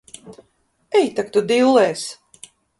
Ej tak tu dillēs!